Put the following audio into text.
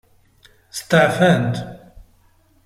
Steɛfant.